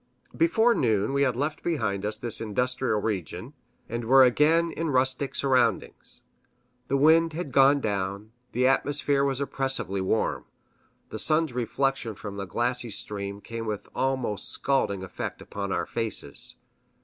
Before noon we had left behind us this industrial region, and were again in rustic surroundings. The wind had gone down, the atmosphere was oppressively warm, the sun's reflection from the glassy stream came with almost scalding effect upon our faces.